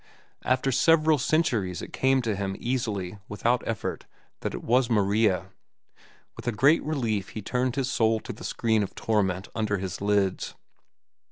After several centuries it came to him, easily, without effort, that it was Maria. With a great relief he turned his soul to the screen of torment under his lids.